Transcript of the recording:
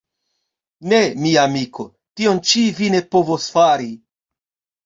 Ne, mia amiko, tion ĉi vi ne povos fari.